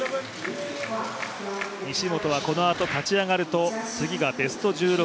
西本はこのあと勝ち上がるとベスト１６